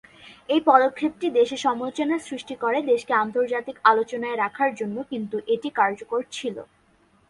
এই পদক্ষেপ টি দেশে সমালোচনার সৃষ্টি করে, দেশকে আন্তর্জাতিক আলোচনায় রাখার জন্য, কিন্তু এটি কার্যকর ছিল।